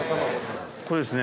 これですね。